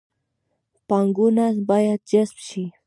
پانګونه باید جذب شي